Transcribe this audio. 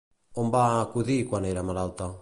On va acudir quan era malalta?